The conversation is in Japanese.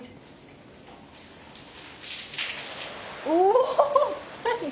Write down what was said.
お！